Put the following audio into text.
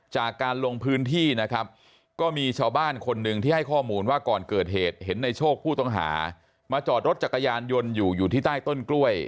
จากการลงพื้นที่นะครับก็มีชาวบ้านคนหนึ่งที่ให้ข้อมูลว่าก่อนเกิดเหตุเห็นในโชคผู้ต้องหามาจอดรถจักรยานยนต์อยู่อยู่ที่ใต้ต้นกล้วย